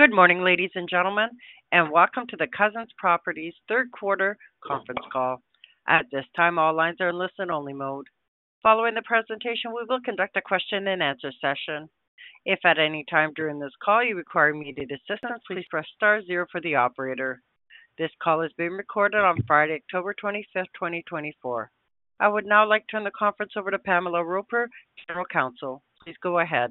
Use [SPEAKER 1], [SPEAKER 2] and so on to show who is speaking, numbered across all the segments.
[SPEAKER 1] Good morning, ladies and gentlemen, and welcome to the Cousins Properties Third Quarter Conference Call. At this time, all lines are in listen-only mode. Following the presentation, we will conduct a question-and-answer session. If at any time during this call you require immediate assistance, please press star zero for the operator. This call is being recorded on Friday, October 25th, 2024. I would now like to turn the conference over to Pamela Roper, General Counsel. Please go ahead.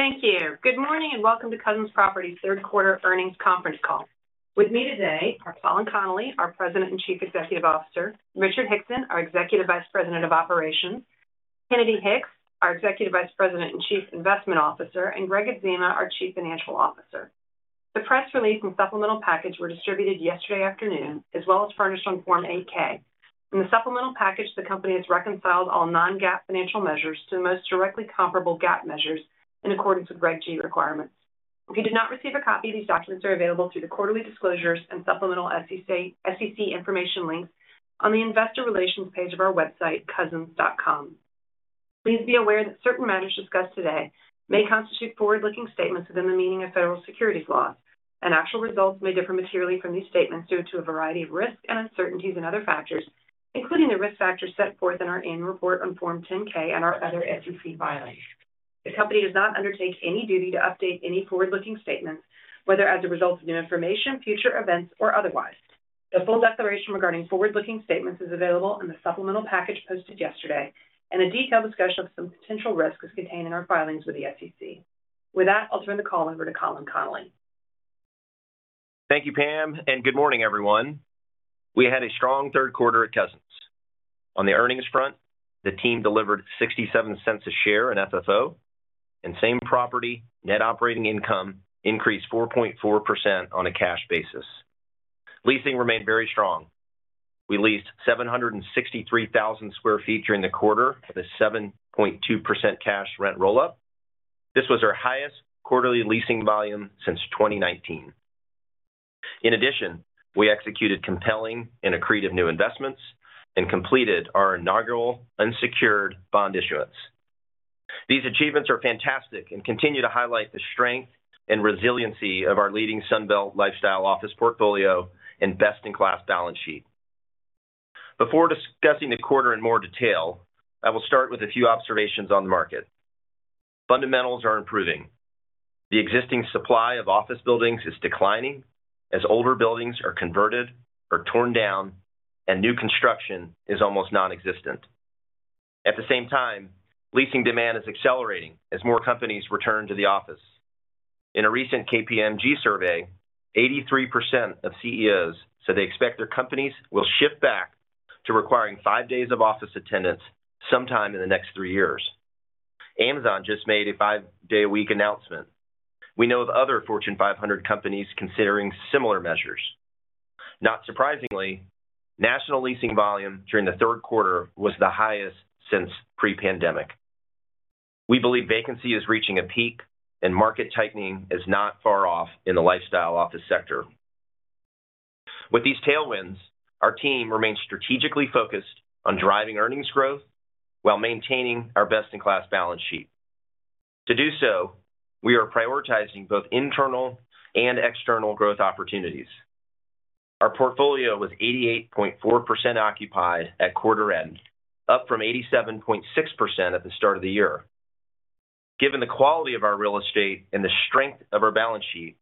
[SPEAKER 2] Thank you. Good morning, and welcome to Cousins Properties' Third Quarter Earnings Conference Call. With me today are Colin Connolly, our President and Chief Executive Officer, Richard Hickson, our Executive Vice President of Operations, Kennedy Hicks, our Executive Vice President and Chief Investment Officer, and Gregg Adzema, our Chief Financial Officer. The press release and supplemental package were distributed yesterday afternoon, as well as furnished on Form 8-K. In the supplemental package, the company has reconciled all non-GAAP financial measures to the most directly comparable GAAP measures in accordance with Reg G requirements. If you did not receive a copy, these documents are available through the Quarterly Disclosures and Supplemental, SEC Information links on the Investor Relations page of our website, cousins.com. Please be aware that certain matters discussed today may constitute forward-looking statements within the meaning of federal securities laws, and actual results may differ materially from these statements due to a variety of risks and uncertainties and other factors, including the risk factors set forth in our annual report on Form 10-K and our other SEC filings. The company does not undertake any duty to update any forward-looking statements, whether as a result of new information, future events, or otherwise. The full declaration regarding forward-looking statements is available in the supplemental package posted yesterday, and a detailed discussion of some potential risks is contained in our filings with the SEC. With that, I'll turn the call over to Colin Connolly.
[SPEAKER 3] Thank you, Pam, and good morning, everyone. We had a strong third quarter at Cousins. On the earnings front, the team delivered $0.67 a share in FFO, and same property net operating income increased 4.4% on a cash basis. Leasing remained very strong. We leased 763,000 square feet during the quarter, with a 7.2% cash rent rollout. This was our highest quarterly leasing volume since 2019. In addition, we executed compelling and accretive new investments and completed our inaugural unsecured bond issuance. These achievements are fantastic and continue to highlight the strength and resiliency of our leading Sun Belt lifestyle office portfolio and best-in-class balance sheet. Before discussing the quarter in more detail, I will start with a few observations on the market. Fundamentals are improving. The existing supply of office buildings is declining as older buildings are converted or torn down and new construction is almost nonexistent. At the same time, leasing demand is accelerating as more companies return to the office. In a recent KPMG survey, 83% of CEOs said they expect their companies will shift back to requiring five days of office attendance sometime in the next three years. Amazon just made a five-day-a-week announcement. We know of other Fortune 500 companies considering similar measures. Not surprisingly, national leasing volume during the third quarter was the highest since pre-pandemic. We believe vacancy is reaching a peak, and market tightening is not far off in the lifestyle office sector. With these tailwinds, our team remains strategically focused on driving earnings growth while maintaining our best-in-class balance sheet. To do so, we are prioritizing both internal and external growth opportunities. Our portfolio was 88.4% occupied at quarter end, up from 87.6% at the start of the year. Given the quality of our real estate and the strength of our balance sheet,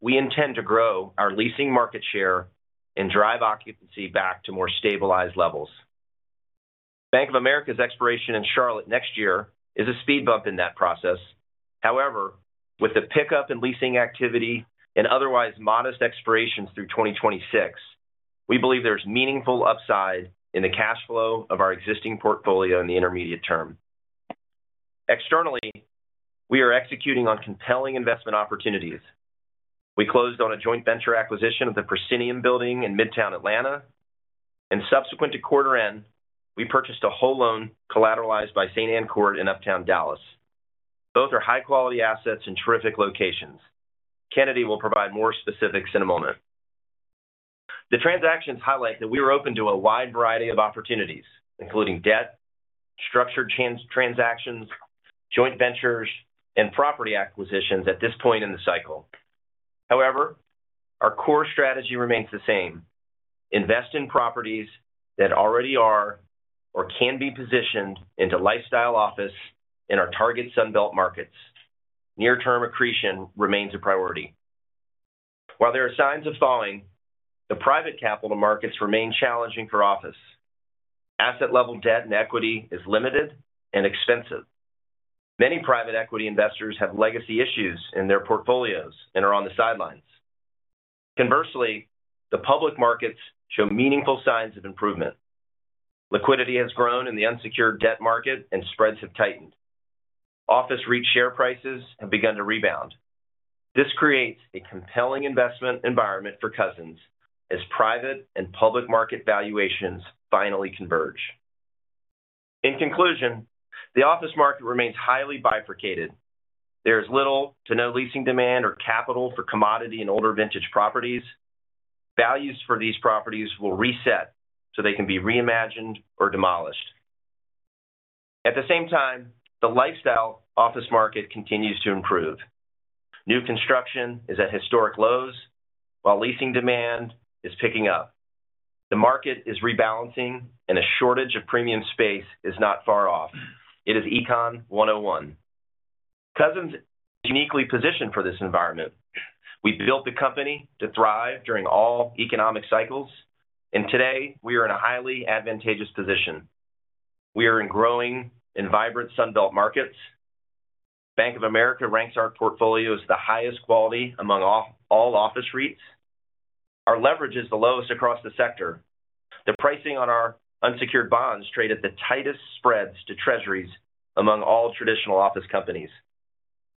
[SPEAKER 3] we intend to grow our leasing market share and drive occupancy back to more stabilized levels. Bank of America's expiration in Charlotte next year is a speed bump in that process. However, with the pickup in leasing activity and otherwise modest expirations through 2026, we believe there's meaningful upside in the cash flow of our existing portfolio in the intermediate term. Externally, we are executing on compelling investment opportunities. We closed on a joint venture acquisition of the Proscenium building in Midtown Atlanta, and subsequent to quarter end, we purchased a whole loan collateralized by Saint Ann Court in Uptown Dallas. Both are high-quality assets and terrific locations. Kennedy will provide more specifics in a moment. The transactions highlight that we are open to a wide variety of opportunities, including debt, structured transactions, joint ventures, and property acquisitions at this point in the cycle. However, our core strategy remains the same: invest in properties that already are or can be positioned into lifestyle office in our target Sun Belt markets. Near-term accretion remains a priority. While there are signs of thawing, the private capital markets remain challenging for office. Asset-level debt and equity is limited and expensive. Many private equity investors have legacy issues in their portfolios and are on the sidelines. Conversely, the public markets show meaningful signs of improvement. Liquidity has grown in the unsecured debt market, and spreads have tightened. Office REIT share prices have begun to rebound. This creates a compelling investment environment for Cousins as private and public market valuations finally converge. In conclusion, the office market remains highly bifurcated. There is little to no leasing demand or capital for commodity and older vintage properties. Values for these properties will reset so they can be reimagined or demolished.... At the same time, the Lifestyle Office market continues to improve. New construction is at historic lows, while leasing demand is picking up. The market is rebalancing, and a shortage of premium space is not far off. It is Econ 101. Cousins is uniquely positioned for this environment. We built the company to thrive during all economic cycles, and today, we are in a highly advantageous position. We are in growing and vibrant Sun Belt markets. Bank of America ranks our portfolio as the highest quality among all office REITs. Our leverage is the lowest across the sector. The pricing on our unsecured bonds trade at the tightest spreads to Treasuries among all traditional office companies.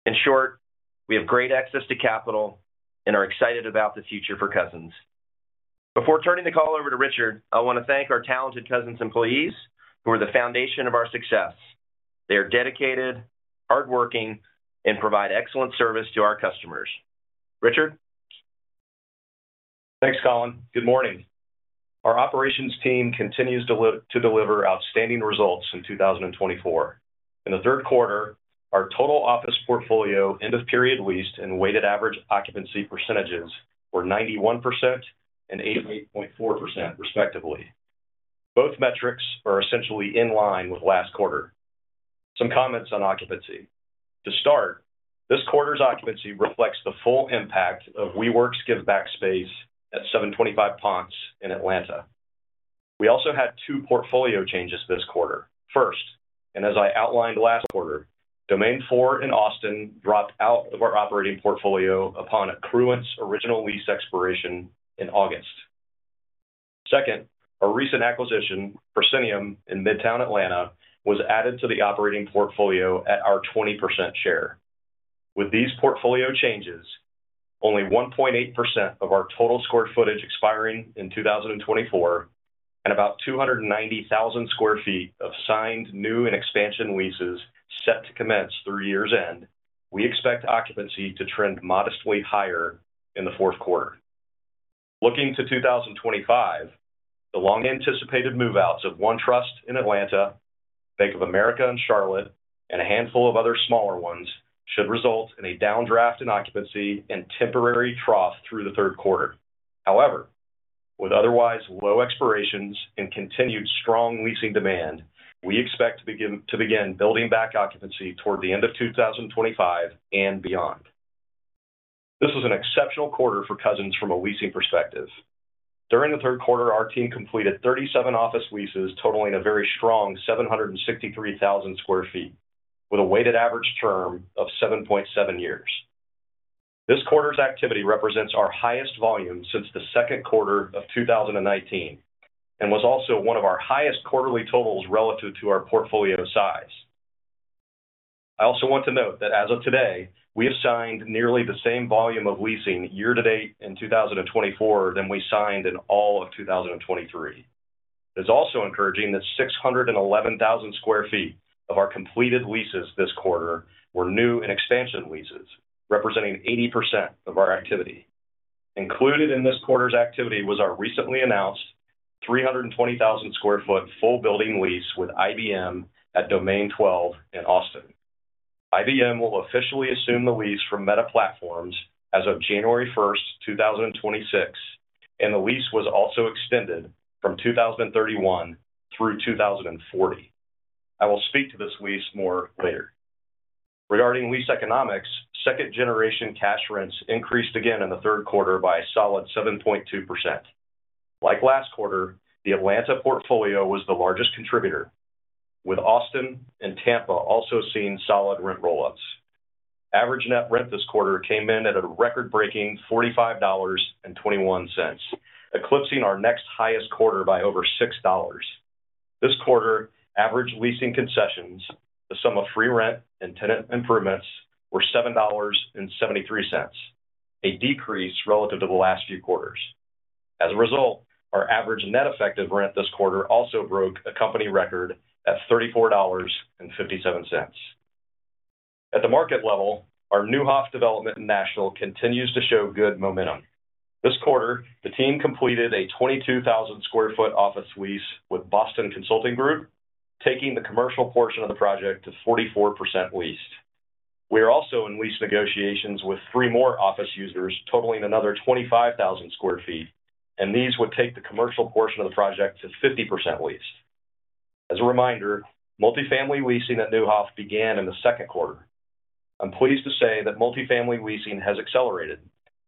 [SPEAKER 3] In short, we have great access to capital and are excited about the future for Cousins. Before turning the call over to Richard, I want to thank our talented Cousins employees, who are the foundation of our success. They are dedicated, hardworking, and provide excellent service to our customers. Richard?
[SPEAKER 4] Thanks, Colin. Good morning. Our operations team continues to deliver outstanding results in two thousand and twenty-four. In the third quarter, our total office portfolio end-of-period leased and weighted average occupancy %'s were 91% and 88.4%, respectively. Both metrics are essentially in line with last quarter. Some comments on occupancy. To start, this quarter's occupancy reflects the full impact of WeWork's give back space at 725 Ponce in Atlanta. We also had two portfolio changes this quarter. First, and as I outlined last quarter, Domain 4 in Austin dropped out of our operating portfolio upon the original lease expiration in August. Second, our recent acquisition, Proscenium, in Midtown Atlanta, was added to the operating portfolio at our 20% share. With these portfolio changes, only 1.8% of our total square footage expiring in 2024, and about 290,000 square feet of signed new and expansion leases set to commence through year's end, we expect occupancy to trend modestly higher in the fourth quarter. Looking to 2025, the long-anticipated move-outs of OneTrust in Atlanta, Bank of America in Charlotte, and a handful of other smaller ones, should result in a downdraft in occupancy and temporary trough through the third quarter. However, with otherwise low expirations and continued strong leasing demand, we expect to begin building back occupancy toward the end of 2025 and beyond. This was an exceptional quarter for Cousins from a leasing perspective. During the third quarter, our team completed 37 office leases, totaling a very strong 763,000 square feet, with a weighted average term of 7.7 years. This quarter's activity represents our highest volume since the second quarter of 2019, and was also one of our highest quarterly totals relative to our portfolio size. I also want to note that as of today, we have signed nearly the same volume of leasing year to date in 2024 than we signed in all of 2023. It's also encouraging that 611,000 square feet of our completed leases this quarter were new and expansion leases, representing 80% of our activity. Included in this quarter's activity was our recently announced 320,000 square feet full building lease with IBM at Domain 12 in Austin. IBM will officially assume the lease from Meta Platforms as of January first, 2026, and the lease was also extended from 2031 through 2040. I will speak to this lease more later. Regarding lease economics, second-generation cash rents increased again in the third quarter by a solid 7.2%. Like last quarter, the Atlanta portfolio was the largest contributor, with Austin and Tampa also seeing solid rent roll-ups. Average net rent this quarter came in at a record-breaking $45.21, eclipsing our next highest quarter by over $6. This quarter, average leasing concessions, the sum of free rent and tenant improvements, were $7.73, a decrease relative to the last few quarters. As a result, our average net effective rent this quarter also broke a company record at $34.57. At the market level, our Neuhoff development in Nashville continues to show good momentum. This quarter, the team completed a 22,000 square feet office lease with Boston Consulting Group, taking the commercial portion of the project to 44% leased. We are also in lease negotiations with three more office users, totaling another 25,000 square feet, and these would take the commercial portion of the project to 50% leased. As a reminder, multifamily leasing at Neuhoff began in the second quarter. I'm pleased to say that multifamily leasing has accelerated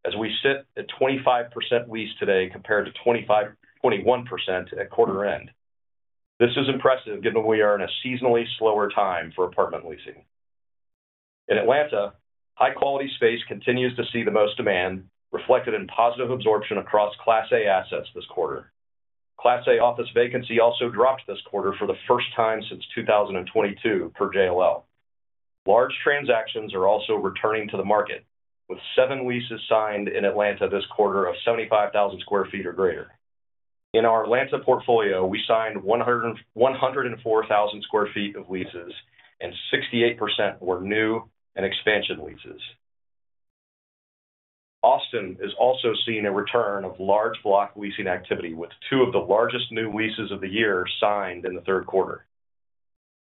[SPEAKER 4] as we sit at 25% leased today, compared to 21% at quarter end. This is impressive, given we are in a seasonally slower time for apartment leasing. In Atlanta, high-quality space continues to see the most demand, reflected in positive absorption across Class A assets this quarter. Class A office vacancy also dropped this quarter for the first time since 2022, per JLL. Large transactions are also returning to the market, with seven leases signed in Atlanta this quarter of 75,000 square feet or greater. In our Atlanta portfolio, we signed 104,000 square feet of leases, and 68% were new and expansion leases... Austin is also seeing a return of large block leasing activity, with two of the largest new leases of the year signed in the third quarter.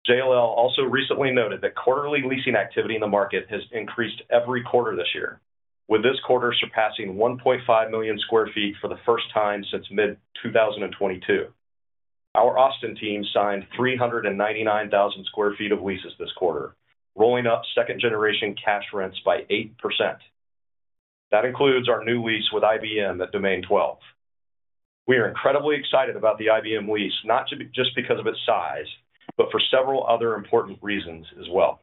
[SPEAKER 4] JLL also recently noted that quarterly leasing activity in the market has increased every quarter this year, with this quarter surpassing 1.5 million square feet for the first time since mid-2022. Our Austin team signed 399,000 square feet of leases this quarter, rolling up second-generation cash rents by 8%. That includes our new lease with IBM at Domain 12. We are incredibly excited about the IBM lease, not to be, just because of its size, but for several other important reasons as well.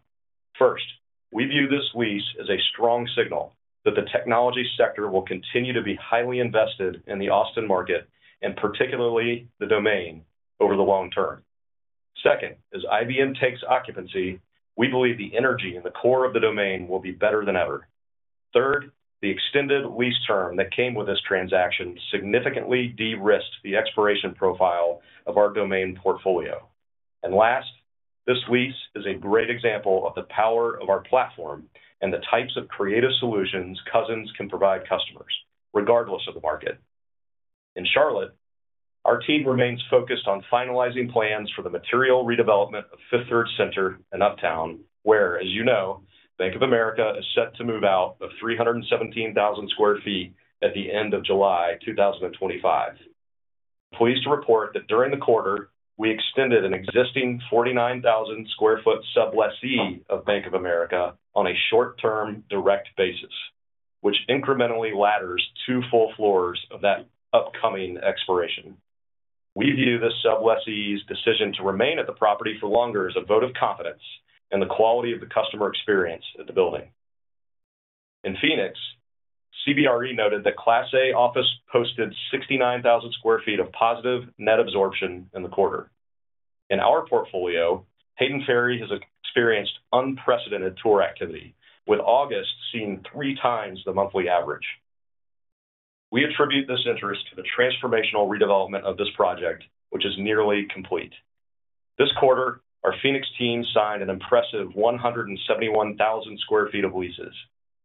[SPEAKER 4] First, we view this lease as a strong signal that the technology sector will continue to be highly invested in the Austin market, and particularly the Domain, over the long term. Second, as IBM takes occupancy, we believe the energy in the core of the Domain will be better than ever. Third, the extended lease term that came with this transaction significantly de-risked the expiration profile of our Domain portfolio. And last, this lease is a great example of the power of our platform and the types of creative solutions Cousins can provide customers, regardless of the market. In Charlotte, our team remains focused on finalizing plans for the material redevelopment of Fifth Third Center in Uptown, where, as you know, Bank of America is set to move out of 317,000 square feet at the end of July 2025. Pleased to report that during the quarter, we extended an existing 49,000 square feet sublessee of Bank of America on a short-term direct basis, which incrementally ladders two full floors of that upcoming expiration. We view this sublessee's decision to remain at the property for longer as a vote of confidence in the quality of the customer experience at the building. In Phoenix, CBRE noted that Class A office posted 69,000 square feet of positive net absorption in the quarter. In our portfolio, Hayden Ferry has experienced unprecedented tour activity, with August seeing three times the monthly average. We attribute this interest to the transformational redevelopment of this project, which is nearly complete. This quarter, our Phoenix team signed an impressive 171,000 square feet of leases,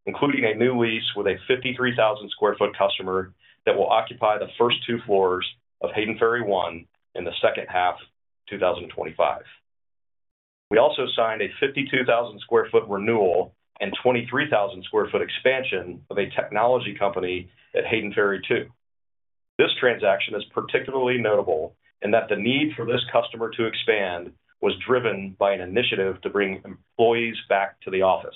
[SPEAKER 4] including a new lease with a 53,000 square feet customer that will occupy the first two floors of Hayden Ferry One in the second half of 2025. We also signed a 52,000 square feet renewal and 23,000 square feet expansion of a technology company at Hayden Ferry Two. This transaction is particularly notable in that the need for this customer to expand was driven by an initiative to bring employees back to the office.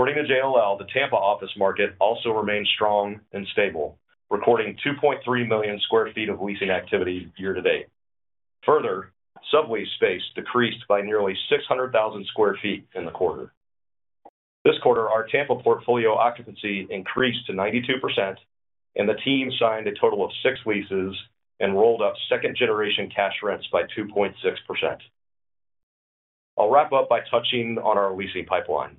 [SPEAKER 4] According to JLL, the Tampa office market also remains strong and stable, recording 2.3 million square feet of leasing activity year to date. Further, sublease space decreased by nearly 600,000 square feet in the quarter. This quarter, our Tampa portfolio occupancy increased to 92%, and the team signed a total of six leases and rolled up second-generation cash rents by 2.6%. I'll wrap up by touching on our leasing pipeline.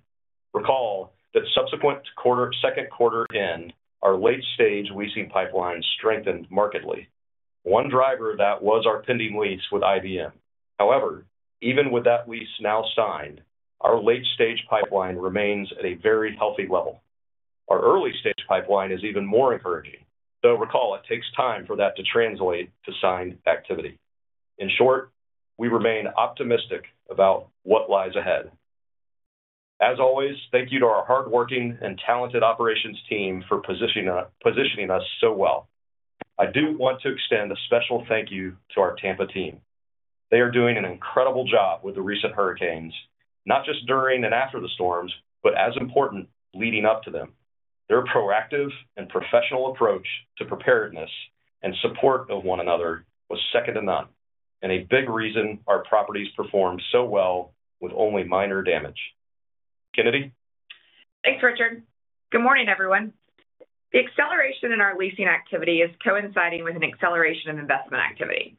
[SPEAKER 4] Recall that subsequent to second quarter end, our late-stage leasing pipeline strengthened markedly. One driver that was our pending lease with IBM. However, even with that lease now signed, our late stage pipeline remains at a very healthy level. Our early stage pipeline is even more encouraging. Though recall, it takes time for that to translate to signed activity. In short, we remain optimistic about what lies ahead. As always, thank you to our hardworking and talented operations team for positioning us, positioning us so well. I do want to extend a special thank you to our Tampa team. They are doing an incredible job with the recent hurricanes, not just during and after the storms, but as important, leading up to them. Their proactive and professional approach to preparedness and support of one another was second to none, and a big reason our properties performed so well with only minor damage. Kennedy?
[SPEAKER 5] Thanks, Richard. Good morning, everyone. The acceleration in our leasing activity is coinciding with an acceleration in investment activity.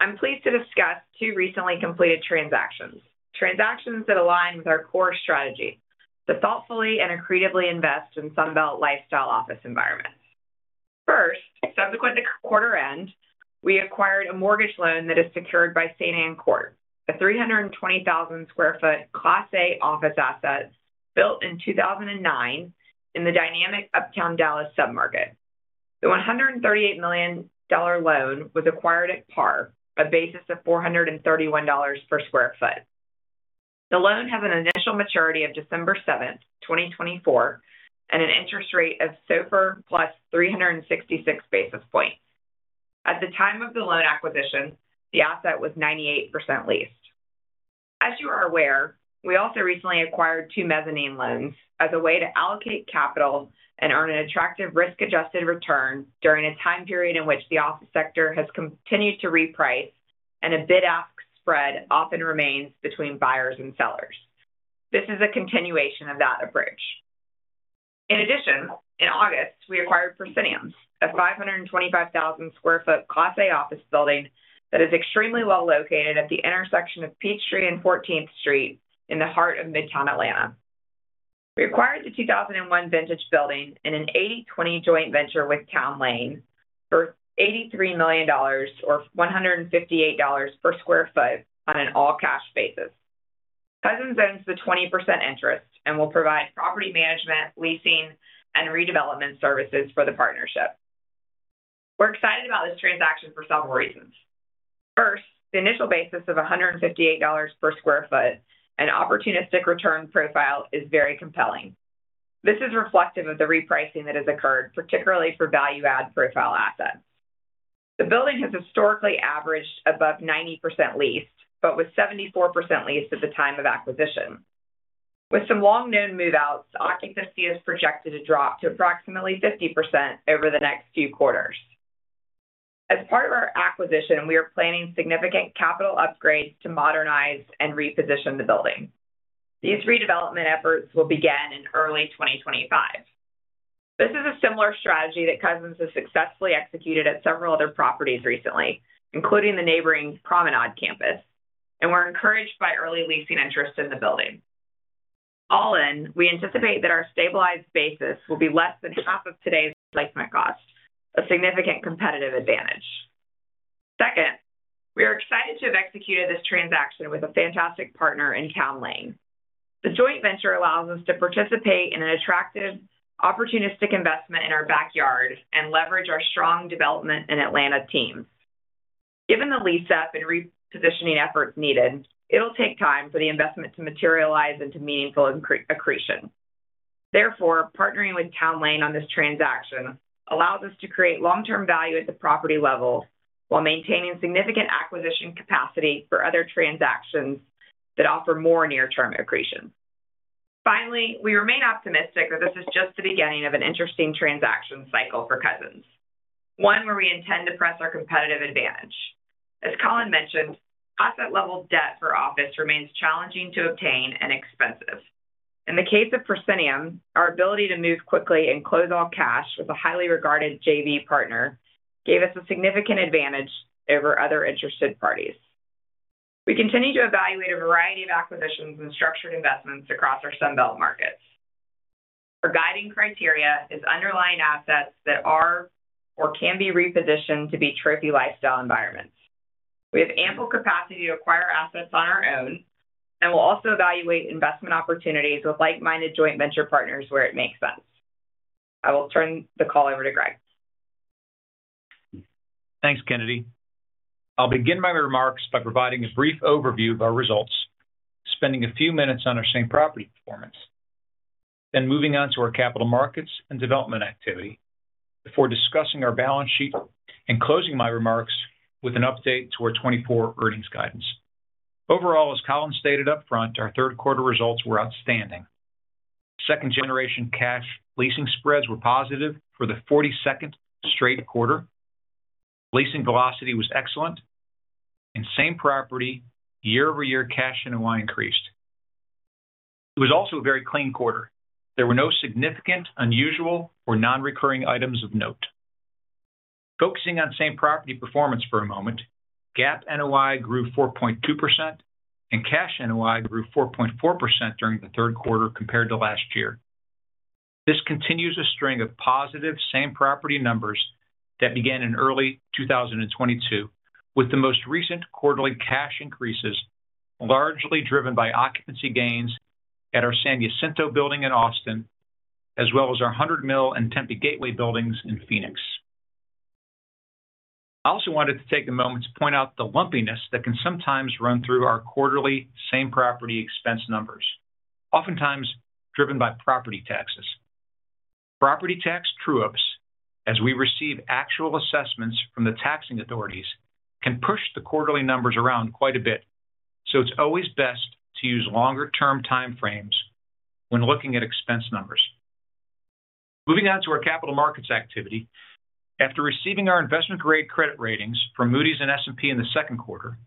[SPEAKER 5] I'm pleased to discuss two recently completed transactions, transactions that align with our core strategy, to thoughtfully and creatively invest in Sun Belt lifestyle office environments. First, subsequent to quarter end, we acquired a mortgage loan that is secured by Saint Ann Court, a three hundred and twenty thousand square feet Class A office asset built in two thousand and nine in the dynamic Uptown Dallas submarket. The $138 million loan was acquired at par, a basis of $431 per square feet. The loan has an initial maturity of December seventh, 2024, and an interest rate of SOFR plus 366 basis points. At the time of the loan acquisition, the asset was 98% leased. As you are aware, we also recently acquired two mezzanine loans as a way to allocate capital and earn an attractive risk-adjusted return during a time period in which the office sector has continued to reprice and a bid-ask spread often remains between buyers and sellers. This is a continuation of that approach. In addition, in August, we acquired Proscenium, a 525,000 square feet Class A office building that is extremely well located at the intersection of Peachtree Street and 14th Street in the heart of Midtown Atlanta. We acquired the 2001 vintage building in an 80/20 joint venture with Town Lane for $83 million, or $158 per square feet on an all-cash basis. Cousins owns the 20% interest and will provide property management, leasing, and redevelopment services for the partnership. We're excited about this transaction for several reasons. First, the initial basis of $158 per square feet and opportunistic return profile is very compelling. This is reflective of the repricing that has occurred, particularly for value-add profile assets. The building has historically averaged above 90% leased, but with 74% leased at the time of acquisition. With some well-known move-outs, occupancy is projected to drop to approximately 50% over the next few quarters. As part of our acquisition, we are planning significant capital upgrades to modernize and reposition the building. These redevelopment efforts will begin in early 2025. This is a similar strategy that Cousins has successfully executed at several other properties recently, including the neighboring Promenade Campus, and we're encouraged by early leasing interest in the building. All in, we anticipate that our stabilized basis will be less than half of today's like-for-like cost, a significant competitive advantage. Second, we are excited to have executed this transaction with a fantastic partner in Town Lane. The joint venture allows us to participate in an attractive, opportunistic investment in our backyard and leverage our strong development and Atlanta teams. Given the lease-up and repositioning efforts needed, it'll take time for the investment to materialize into meaningful accretion. Therefore, partnering with Town Lane on this transaction allows us to create long-term value at the property level while maintaining significant acquisition capacity for other transactions that offer more near-term accretion. Finally, we remain optimistic that this is just the beginning of an interesting transaction cycle for Cousins, one where we intend to press our competitive advantage. As Colin mentioned, asset level debt for office remains challenging to obtain and expensive. In the case of Proscenium, our ability to move quickly and close all cash with a highly regarded JV partner gave us a significant advantage over other interested parties. We continue to evaluate a variety of acquisitions and structured investments across our Sun Belt markets. Our guiding criteria is underlying assets that are or can be repositioned to be trophy lifestyle environments. We have ample capacity to acquire assets on our own, and we'll also evaluate investment opportunities with like-minded joint venture partners where it makes sense. I will turn the call over to Gregg.
[SPEAKER 6] Thanks, Kennedy. I'll begin my remarks by providing a brief overview of our results, spending a few minutes on our same property performance, then moving on to our capital markets and development activity before discussing our balance sheet and closing my remarks with an update to our 2024 earnings guidance. Overall, as Colin stated upfront, our third quarter results were outstanding. Second generation cash leasing spreads were positive for the forty-second straight quarter. Leasing velocity was excellent, and same property year-over-year cash NOI increased. It was also a very clean quarter. There were no significant, unusual, or non-recurring items of note. Focusing on same property performance for a moment, GAAP NOI grew 4.2%, and cash NOI grew 4.4% during the third quarter compared to last year. This continues a string of positive same property numbers that began in early 2022, with the most recent quarterly cash increases, largely driven by occupancy gains at our San Jacinto building in Austin, as well as our 100 Mill and Tempe Gateway buildings in Phoenix. I also wanted to take a moment to point out the lumpiness that can sometimes run through our quarterly same property expense numbers, oftentimes driven by property taxes. Property tax true-ups, as we receive actual assessments from the taxing authorities, can push the quarterly numbers around quite a bit, so it's always best to use longer term time frames when looking at expense numbers. Moving on to our capital markets activity. After receiving our investment-grade credit ratings from Moody's and S&P in the second quarter,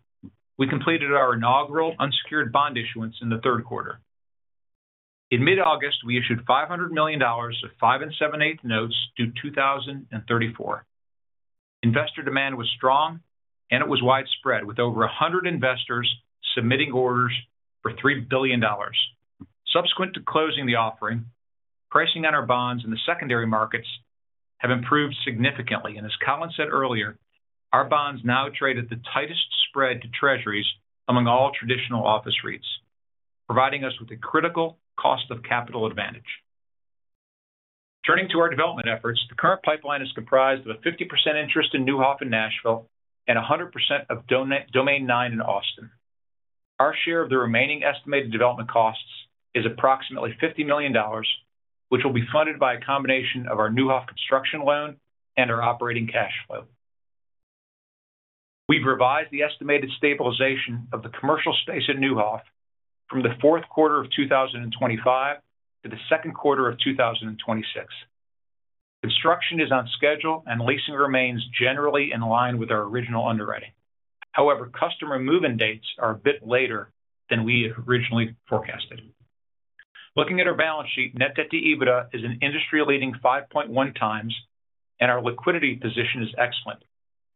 [SPEAKER 6] we completed our inaugural unsecured bond issuance in the third quarter. In mid-August, we issued $500 million of 5 7/8 notes due 2034. Investor demand was strong, and it was widespread, with over 100 investors submitting orders for $3 billion. Subsequent to closing the offering, pricing on our bonds in the secondary markets has improved significantly, and as Colin said earlier, our bonds now trade at the tightest spread to Treasuries among all traditional office REITs, providing us with a critical cost of capital advantage. Turning to our development efforts, the current pipeline is comprised of a 50% interest in Neuhoff in Nashville and 100% of Domain 9 in Austin. Our share of the remaining estimated development costs is approximately $50 million, which will be funded by a combination of our Neuhoff construction loan and our operating cash flow. We've revised the estimated stabilization of the commercial space at Neuhoff from the fourth quarter of two thousand and twenty-five to the second quarter of two thousand and twenty-six. Construction is on schedule, and leasing remains generally in line with our original underwriting. However, customer move-in dates are a bit later than we had originally forecasted. Looking at our balance sheet, net debt to EBITDA is an industry-leading five point one times, and our liquidity position is excellent.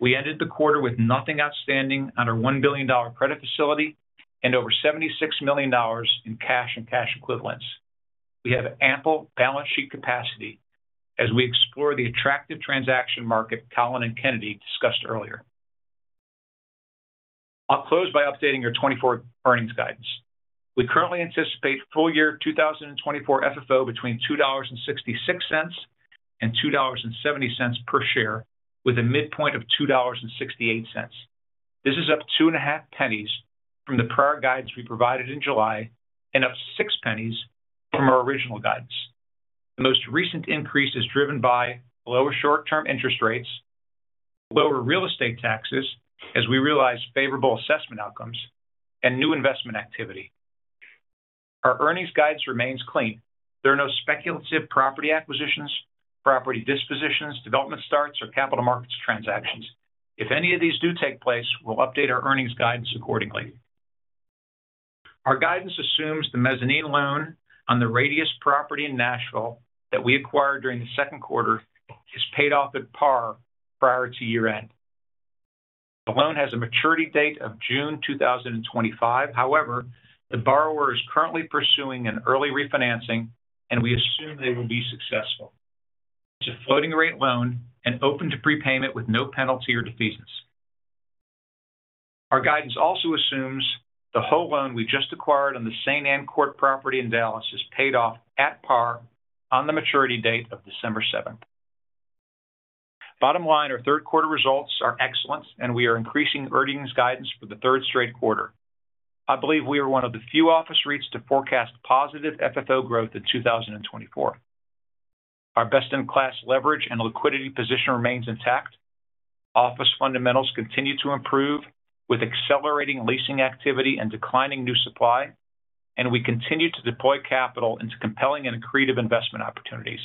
[SPEAKER 6] We ended the quarter with nothing outstanding on our $1 billion credit facility and over $76 million in cash and cash equivalents.... We have ample balance sheet capacity as we explore the attractive transaction market Colin and Kennedy discussed earlier. I'll close by updating your 2024 earnings guidance. We currently anticipate full year 2024 FFO between $2.66 and $2.70 per share, with a midpoint of $2.68. This is up $0.025 from the prior guidance we provided in July and up $0.06 from our original guidance. The most recent increase is driven by lower short-term interest rates, lower real estate taxes as we realize favorable assessment outcomes, and new investment activity. Our earnings guidance remains clean. There are no speculative property acquisitions, property dispositions, development starts, or capital markets transactions. If any of these do take place, we'll update our earnings guidance accordingly. Our guidance assumes the mezzanine loan on the Radius property in Nashville, that we acquired during the second quarter, is paid off at par prior to year-end. The loan has a maturity date of June two thousand and twenty-five. However, the borrower is currently pursuing an early refinancing, and we assume they will be successful. It's a floating rate loan and open to prepayment with no penalty or defeasance. Our guidance also assumes the whole loan we just acquired on the Saint Ann Court property in Dallas is paid off at par on the maturity date of December seventh. Bottom line, our third quarter results are excellent, and we are increasing earnings guidance for the third straight quarter. I believe we are one of the few office REITs to forecast positive FFO growth in two thousand and twenty-four. Our best-in-class leverage and liquidity position remains intact. Office fundamentals continue to improve, with accelerating leasing activity and declining new supply, and we continue to deploy capital into compelling and accretive investment opportunities.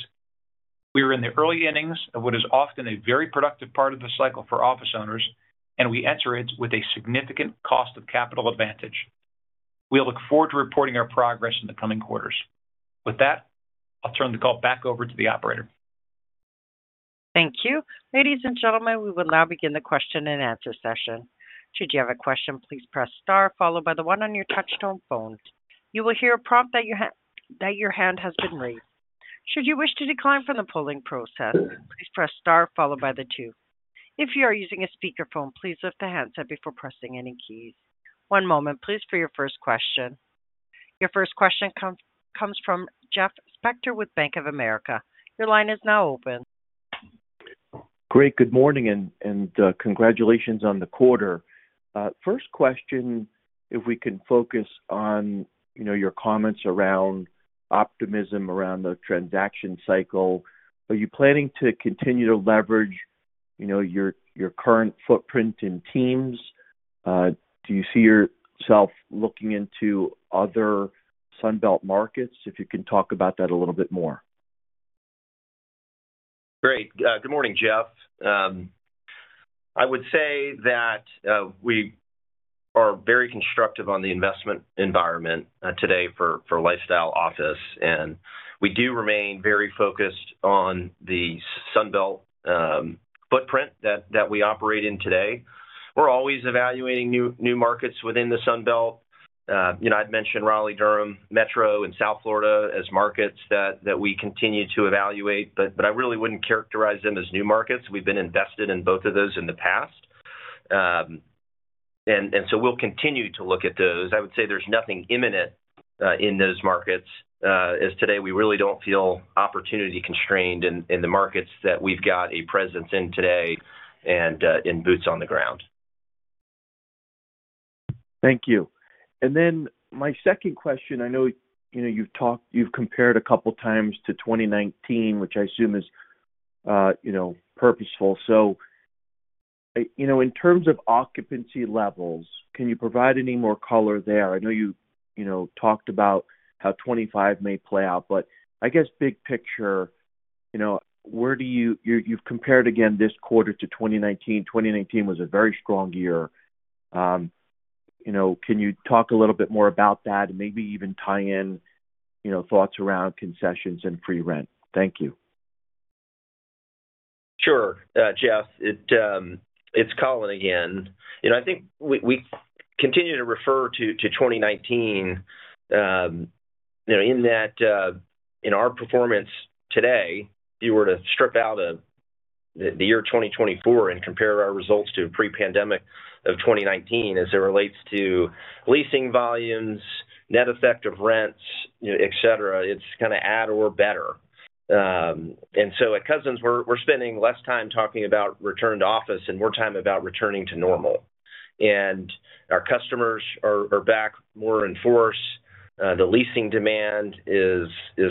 [SPEAKER 6] We are in the early innings of what is often a very productive part of the cycle for office owners, and we enter it with a significant cost of capital advantage. We look forward to reporting our progress in the coming quarters. With that, I'll turn the call back over to the operator.
[SPEAKER 1] Thank you. Ladies and gentlemen, we will now begin the question-and-answer session. Should you have a question, please press star followed by the one on your touchtone phone. You will hear a prompt that your hand has been raised. Should you wish to decline from the polling process, please press star followed by the two. If you are using a speakerphone, please lift the handset before pressing any keys. One moment, please, for your first question. Your first question comes from Jeff Spector with Bank of America. Your line is now open.
[SPEAKER 7] Great, good morning, and congratulations on the quarter. First question, if we can focus on, you know, your comments around optimism around the transaction cycle. Are you planning to continue to leverage, you know, your current footprint in these? Do you see yourself looking into other Sun Belt markets? If you can talk about that a little bit more.
[SPEAKER 3] Great. Good morning, Jeff. I would say that we are very constructive on the investment environment today for lifestyle office, and we do remain very focused on the Sun Belt footprint that we operate in today. We're always evaluating new markets within the Sun Belt. You know, I'd mentioned Raleigh-Durham Metro and South Florida as markets that we continue to evaluate, but I really wouldn't characterize them as new markets. We've been invested in both of those in the past, and so we'll continue to look at those. I would say there's nothing imminent in those markets as today we really don't feel opportunity constrained in the markets that we've got a presence in today and boots on the ground.
[SPEAKER 7] Thank you. And then my second question, I know, you know, you've talked, you've compared a couple times to 2019, which I assume is, you know, purposeful. So, you know, in terms of occupancy levels, can you provide any more color there? I know you, you know, talked about how 2025 may play out, but I guess big picture, you know, where do you. You, you've compared again this quarter to 2019. 2019 was a very strong year. You know, can you talk a little bit more about that and maybe even tie in, you know, thoughts around concessions and free rent? Thank you.
[SPEAKER 3] Sure. Jeff, it, it's Colin again. You know, I think we continue to refer to 2019, you know, in that, in our performance today, if you were to strip out the year 2024 and compare our results to pre-pandemic of 2019 as it relates to leasing volumes, net effect of rents, you know, et cetera, it's kind of at or better. And so at Cousins, we're spending less time talking about return to office and more time about returning to normal. And our customers are back more in force. The leasing demand is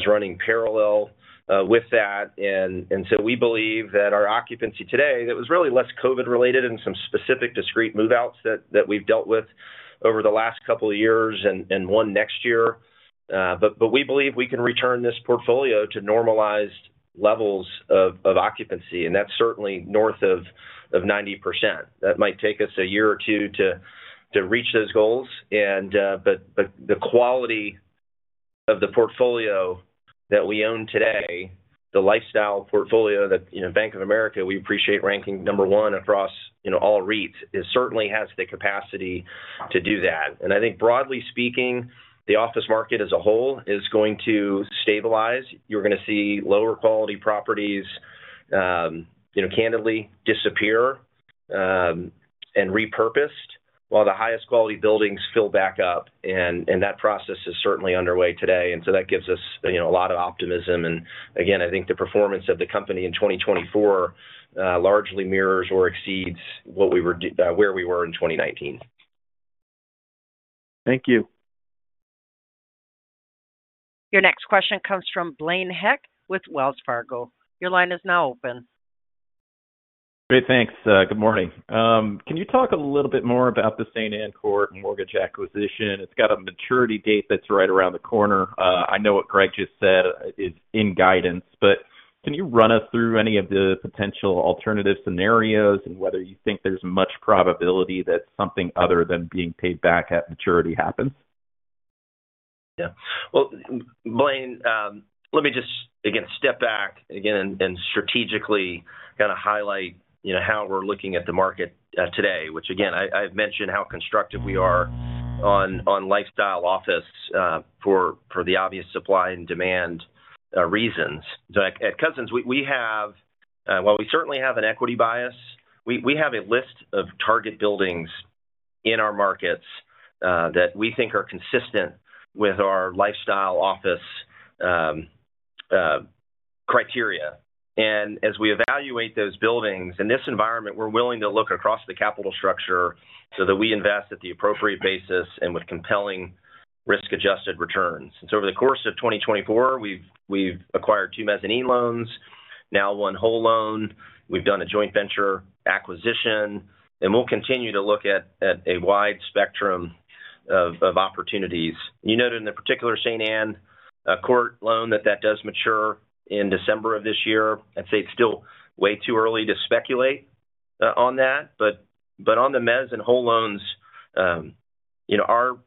[SPEAKER 3] running parallel with that. And so we believe that our occupancy today, that was really less COVID related and some specific discrete move-outs that we've dealt with over the last couple of years and one next year. But we believe we can return this portfolio to normalized levels of occupancy, and that's certainly north of 90%. That might take us a year or two to reach those goals, and but the quality of the portfolio that we own today-... the lifestyle portfolio that, you know, Bank of America, we appreciate ranking number one across, you know, all REITs. It certainly has the capacity to do that. I think broadly speaking, the office market as a whole is going to stabilize. You're gonna see lower quality properties, you know, candidly disappear, and repurposed while the highest quality buildings fill back up. That process is certainly underway today, and so that gives us, you know, a lot of optimism. Again, I think the performance of the company in 2024 largely mirrors or exceeds what we were where we were in 2019.
[SPEAKER 7] Thank you.
[SPEAKER 1] Your next question comes from Blaine Heck with Wells Fargo. Your line is now open.
[SPEAKER 8] Great. Thanks. Good morning. Can you talk a little bit more about the Saint Ann Court mortgage acquisition? It's got a maturity date that's right around the corner. I know what Gregg just said is in guidance, but can you run us through any of the potential alternative scenarios and whether you think there's much probability that something other than being paid back at maturity happens?
[SPEAKER 3] Yeah. Well, Blaine, let me just, again, step back and strategically kind of highlight, you know, how we're looking at the market today, which, again, I've mentioned how constructive we are on lifestyle office for the obvious supply and demand reasons. So at Cousins, we have, while we certainly have an equity bias, we have a list of target buildings in our markets that we think are consistent with our lifestyle office criteria. And as we evaluate those buildings, in this environment, we're willing to look across the capital structure so that we invest at the appropriate basis and with compelling risk-adjusted returns. And so over the course of 2024, we've acquired two mezzanine loans, now one whole loan. We've done a joint venture acquisition, and we'll continue to look at a wide spectrum of opportunities. You noted in the particular Saint Ann Court loan, that that does mature in December of this year. I'd say it's still way too early to speculate on that, but on the mezz and whole loans, you know, our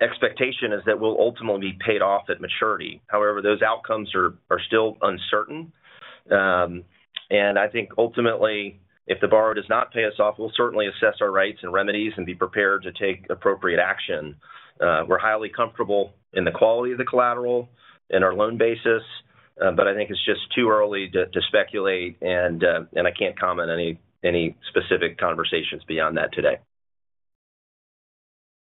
[SPEAKER 3] expectation is that we'll ultimately be paid off at maturity. However, those outcomes are still uncertain. And I think ultimately, if the borrower does not pay us off, we'll certainly assess our rights and remedies and be prepared to take appropriate action. We're highly comfortable in the quality of the collateral in our loan basis, but I think it's just too early to speculate, and I can't comment any specific conversations beyond that today.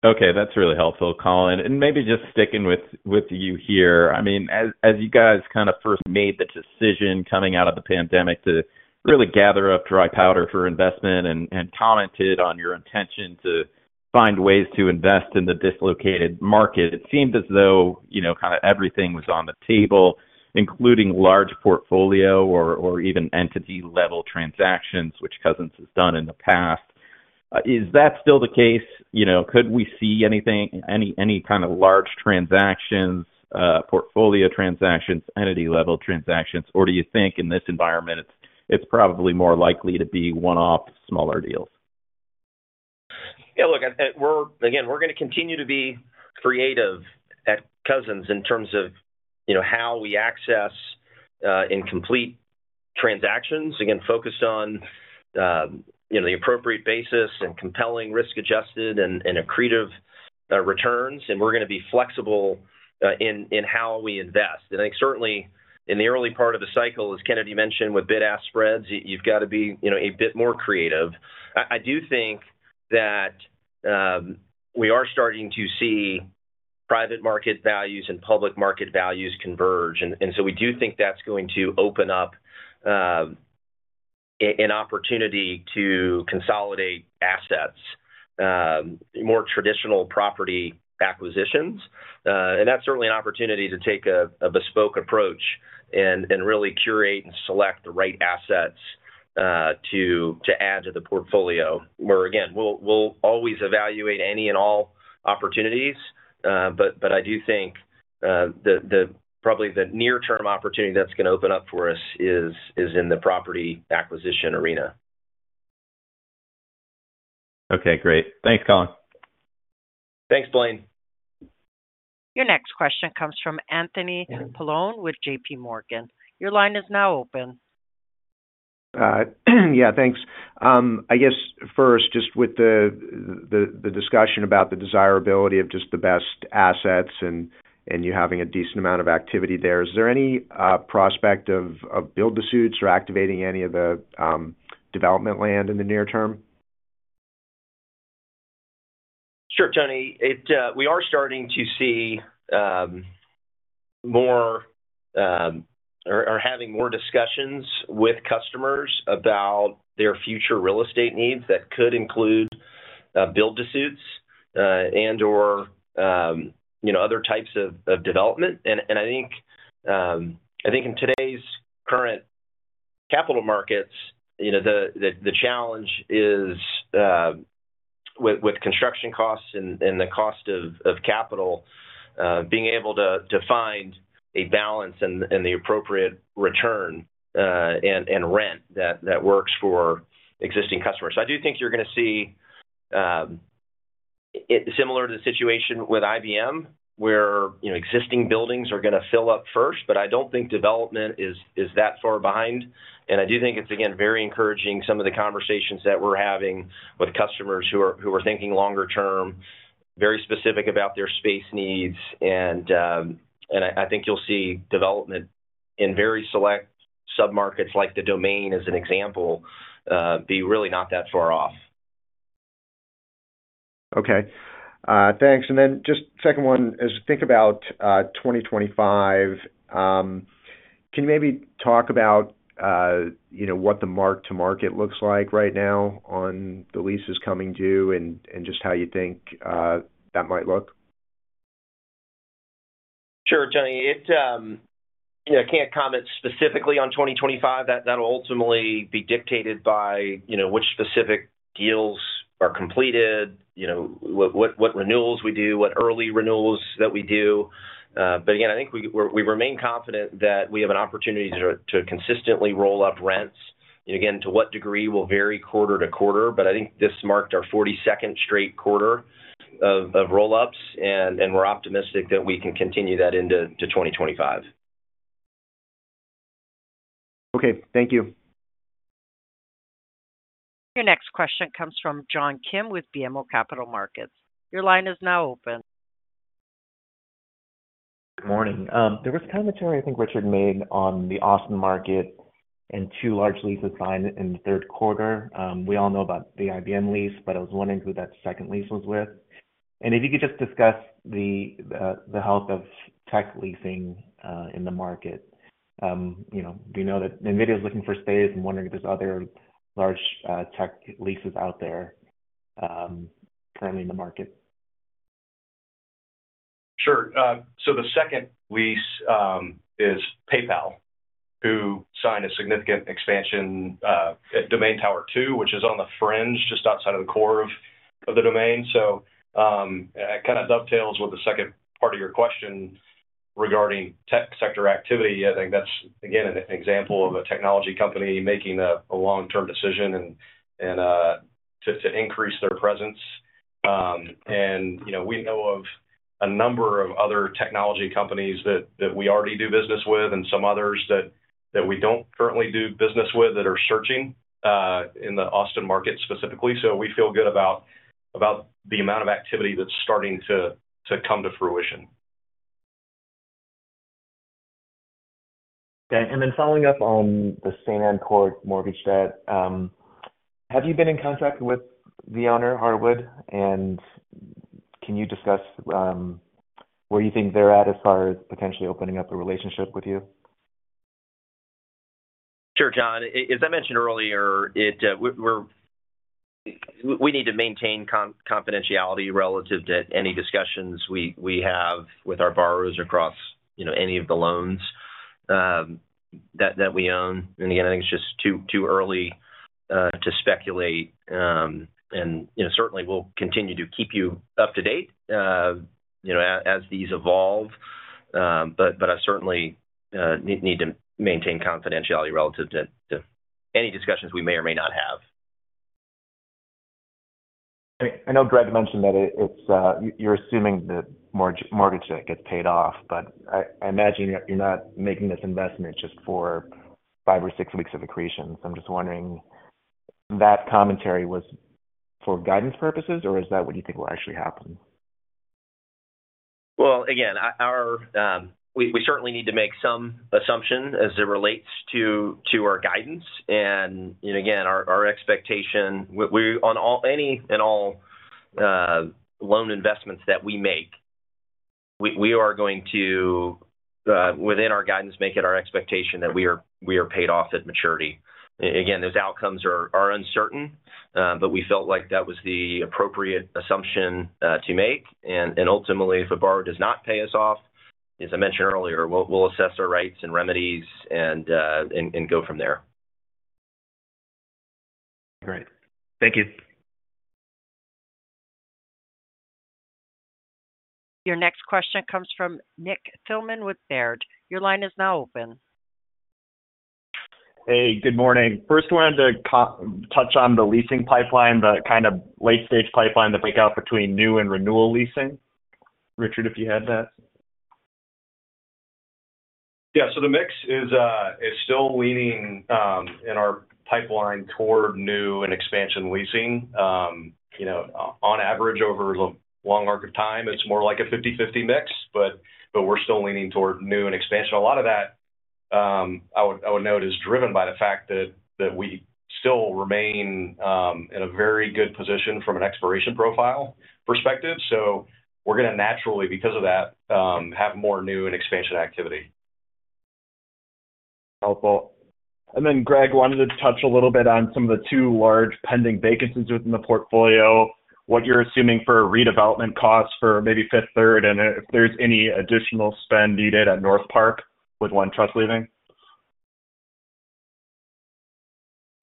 [SPEAKER 8] Okay. That's really helpful, Colin. And maybe just sticking with you here. I mean, as you guys kind of first made the decision coming out of the pandemic to really gather up dry powder for investment and commented on your intention to find ways to invest in the dislocated market, it seemed as though, you know, kind of everything was on the table, including large portfolio or even entity-level transactions, which Cousins has done in the past. Is that still the case? You know, could we see anything, any kind of large transactions, portfolio transactions, entity-level transactions? Or do you think in this environment, it's probably more likely to be one-off, smaller deals?
[SPEAKER 3] Yeah, look, we're again, we're gonna continue to be creative at Cousins in terms of, you know, how we access incomplete transactions. Again, focused on, you know, the appropriate basis and compelling risk-adjusted and accretive returns, and we're gonna be flexible in how we invest. And I think certainly in the early part of the cycle, as Kennedy mentioned, with bid-ask spreads, you've got to be, you know, a bit more creative. I do think that we are starting to see private market values and public market values converge, and so we do think that's going to open up an opportunity to consolidate assets more traditional property acquisitions. And that's certainly an opportunity to take a bespoke approach and really curate and select the right assets to add to the portfolio, where again we'll always evaluate any and all opportunities. But I do think probably the near-term opportunity that's gonna open up for us is in the property acquisition arena.
[SPEAKER 8] Okay, great. Thanks, Colin.
[SPEAKER 3] Thanks, Blaine.
[SPEAKER 1] Your next question comes from Anthony Paolone with JPMorgan. Your line is now open.
[SPEAKER 9] Yeah, thanks. I guess first, just with the discussion about the desirability of just the best assets and you having a decent amount of activity there, is there any prospect of build-to-suits or activating any of the development land in the near term?
[SPEAKER 3] Sure, Tony. We are starting to see more or having more discussions with customers about their future real estate needs that could include build to suits and/or, you know, other types of development. I think in today's current capital markets, you know, the challenge is with construction costs and the cost of capital being able to find a balance and the appropriate return and rent that works for existing customers. So I do think you're gonna see. It's similar to the situation with IBM, where, you know, existing buildings are gonna fill up first, but I don't think development is that far behind. I do think it's, again, very encouraging, some of the conversations that we're having with customers who are thinking longer term, very specific about their space needs. I think you'll see development in very select submarkets, like The Domain, as an example, be really not that far off.
[SPEAKER 9] Okay. Thanks. And then just second one, as you think about 2025, can you maybe talk about, you know, what the mark-to-market looks like right now on the leases coming due and just how you think that might look?
[SPEAKER 3] Sure, Johnny. It, you know, I can't comment specifically on 2025. That, that'll ultimately be dictated by, you know, which specific deals are completed, you know, what renewals we do, what early renewals that we do. But again, I think we're confident that we have an opportunity to consistently roll up rents. And again, to what degree will vary quarter to quarter, but I think this marked our forty-second straight quarter of roll-ups, and we're optimistic that we can continue that into 2025.
[SPEAKER 9] Okay, thank you.
[SPEAKER 1] Your next question comes from John Kim with BMO Capital Markets. Your line is now open.
[SPEAKER 10] Good morning. There was commentary I think Richard made on the Austin market and two large leases signed in the third quarter. We all know about the IBM lease, but I was wondering who that second lease was with. And if you could just discuss the, the health of tech leasing, in the market. You know, do you know that NVIDIA's looking for space and wondering if there's other large, tech leases out there, currently in the market?
[SPEAKER 3] Sure. So the second lease is PayPal, who signed a significant expansion at Domain Tower 2, which is on the fringe, just outside of the core of The Domain. So it kind of dovetails with the second part of your question regarding tech sector activity. I think that's again an example of a technology company making a long-term decision and to increase their presence. And you know, we know of a number of other technology companies that we already do business with and some others that we don't currently do business with, that are searching in the Austin market specifically. So we feel good about the amount of activity that's starting to come to fruition.
[SPEAKER 10] Okay. And then following up on the Saint Ann Court mortgage debt, have you been in contact with the owner, Harwood? And can you discuss where you think they're at as far as potentially opening up a relationship with you?
[SPEAKER 3] Sure, John. As I mentioned earlier, we're—we need to maintain confidentiality relative to any discussions we have with our borrowers across, you know, any of the loans that we own. And again, I think it's just too early to speculate. And, you know, certainly we'll continue to keep you up to date, you know, as these evolve. But I certainly need to maintain confidentiality relative to any discussions we may or may not have.
[SPEAKER 10] I know Gregg mentioned that it's you're assuming the mortgage debt gets paid off, but I imagine you're not making this investment just for five or six weeks of accretion. So I'm just wondering if that commentary was for guidance purposes, or is that what you think will actually happen?
[SPEAKER 3] Well, again, we certainly need to make some assumptions as it relates to our guidance. And, you know, again, our expectation on any and all loan investments that we make, we are going to within our guidance make it our expectation that we are paid off at maturity. Again, those outcomes are uncertain, but we felt like that was the appropriate assumption to make. And ultimately, if a borrower does not pay us off, as I mentioned earlier, we'll assess our rights and remedies and go from there.
[SPEAKER 10] Great. Thank you.
[SPEAKER 1] Your next question comes from Nick Thillman with Baird. Your line is now open.
[SPEAKER 11] Hey, good morning. First, wanted to touch on the leasing pipeline, the kind of late-stage pipeline, the breakout between new and renewal leasing. Richard, if you had that.
[SPEAKER 4] Yeah. So the mix is still leaning in our pipeline toward new and expansion leasing. You know, on average, over a long arc of time, it's more like a 50/50 mix, but we're still leaning toward new and expansion. A lot of that I would note is driven by the fact that we still remain in a very good position from an expiration profile perspective. So we're gonna naturally, because of that, have more new and expansion activity.
[SPEAKER 11] Helpful. And then, Gregg, wanted to touch a little bit on some of the two large pending vacancies within the portfolio, what you're assuming for redevelopment costs for maybe Fifth Third, and if there's any additional spend needed at NorthPark with OneTrust leaving.